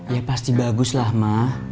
ya pasti bagus lah mah